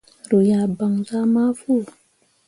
Ru yah gbanzah mafuu ah ye.